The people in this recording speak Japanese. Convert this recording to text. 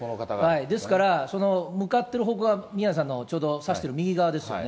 ですから、その向かっている方向が宮根さんがちょうど指してる右側ですよね。